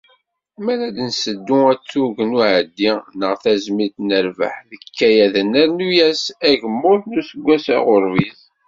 Mi ara d-nseddu atug n uɛeddi neɣ tazmilt n rrbeḥ deg yikayaden rnu-as agemmuḍ n useggas aɣurbiz.